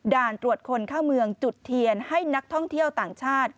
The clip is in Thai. ด่านตรวจคนเข้าเมืองจุดเทียนให้นักท่องเที่ยวต่างชาติ